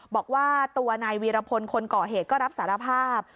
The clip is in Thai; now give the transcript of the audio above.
บอกว่าตัวนายวีรพลคนก่อเหตุก็รับสารภาพ